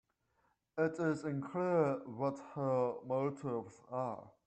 It is unclear what her motives are.